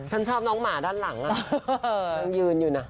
ฉันชอบน้องหมาด้านหลังอ่ะ